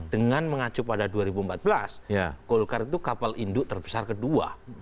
dengan mengacu pada dua ribu empat belas golkar itu kapal induk terbesar kedua